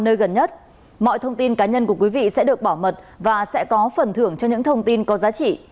nơi gần nhất mọi thông tin cá nhân của quý vị sẽ được bảo mật và sẽ có phần thưởng cho những thông tin có giá trị